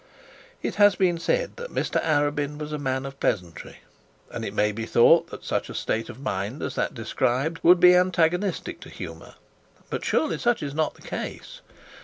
It has been said that Mr Arabin was a man of pleasantry and it may be thought that such a state of mind as that described, would be antagonistic to humour. But surely such is not the case.